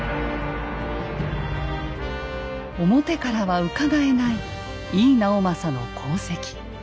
表からはうかがえない井伊直政の功績。